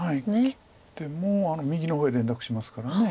切っても右の方へ連絡しますから。